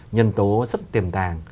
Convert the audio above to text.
nhân tố rất tiềm tàng